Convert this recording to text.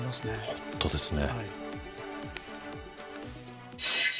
本当ですね。